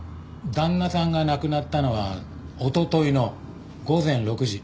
旦那さんが亡くなったのはおとといの午前６時。